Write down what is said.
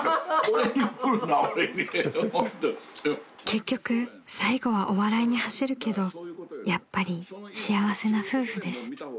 ［結局最後はお笑いに走るけどやっぱり幸せな夫婦です］